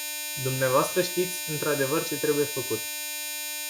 Dumneavoastră știți într-adevăr ce trebuie făcut.